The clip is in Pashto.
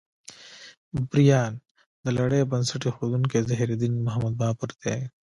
بابریان: د لړۍ بنسټ ایښودونکی ظهیرالدین محمد بابر دی.